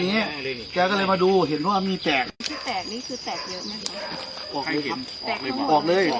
นี่นี้แกเลยมาดูเห็นว่ามีแกก